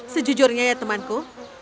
sejujurnya ya temanku